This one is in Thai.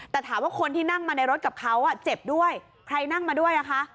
แต่ถามว่าคนที่นั่งมาในรถกับเขาเจ็บด้วยใครนั่งมาด้วยอ่ะคะ